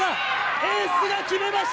エースが決めました！